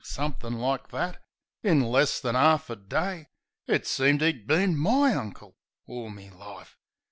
Somethin' like that. In less than 'arf a day It seemed 'e'd been my uncle orl me life.